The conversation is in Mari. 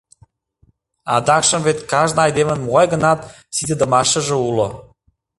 Адакшым вет кажне айдемын могай-гынат ситыдымашыже уло.